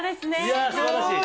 いやすばらしい。